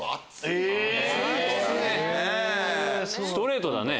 ストレートだね。